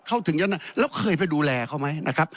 เข้าถึงเจ้านายแล้วเคยไปดูแลเขาไหมนะครับ